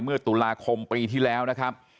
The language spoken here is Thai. เมื่อตุลาคมปีที่แล้วนะครับ